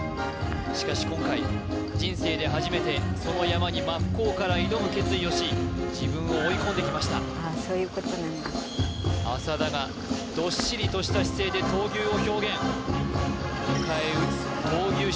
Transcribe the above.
しかし今回人生で初めてその山に真っ向から挑む決意をし自分を追い込んできましたああそういうことなんだ浅田がどっしりとした姿勢で闘牛を表現迎え撃つ闘牛士